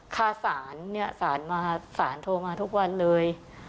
ค่าสารสารโทรมาทุกวันเลย